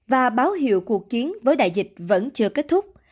và báo hiệu cuộc chiến với đại dịch vẫn chưa kết thúc